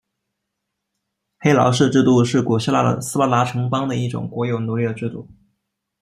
黑劳士制度是古希腊的斯巴达城邦的一种国有奴隶的制度。